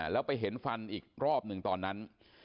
แล้วไปเห็นฟันอีกรอบหนึ่งตอนนั้น